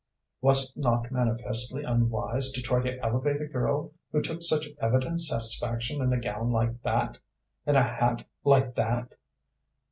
Was it not manifestly unwise to try to elevate a girl who took such evident satisfaction in a gown like that, in a hat like that?